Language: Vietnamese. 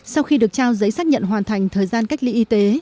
sau khi được trao giấy xác nhận hoàn thành thời gian cách ly y tế